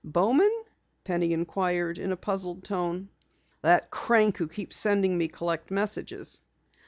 "Bowman?" Penny inquired in a puzzled tone. "That crank who keeps sending me collect messages."